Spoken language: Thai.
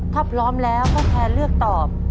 ถ้าพร้อมแล้วพ่อแทนเลือกตอบ